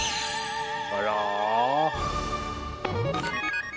あら。